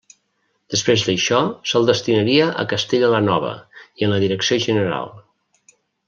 Després d'això se'l destinaria a Castella la Nova i en la Direcció general.